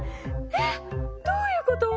えっどういうこと！？